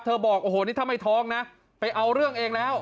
บอกโอ้โหนี่ถ้าไม่ท้องนะไปเอาเรื่องเองแล้ว